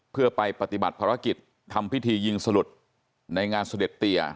เพื่อไปปฏิบัติภารกิจทำพิธียิงสลุดในงานเสด็จเตีย